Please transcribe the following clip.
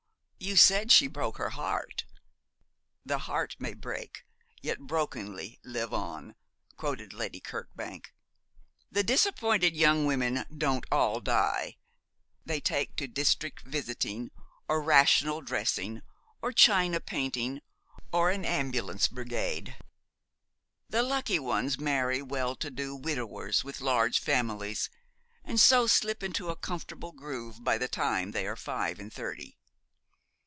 'You said she broke her heart.' '"The heart may break, yet brokenly live on,"' quoted Lady Kirkbank. 'The disappointed young women don't all die. They take to district visiting, or rational dressing, or china painting, or an ambulance brigade. The lucky ones marry well to do widowers with large families, and so slip into a comfortable groove by the time they are five and thirty.